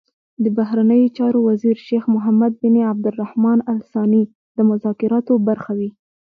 د بهرنیو چارو وزیر شیخ محمد بن عبدالرحمان ال ثاني د مذاکراتو برخه وي.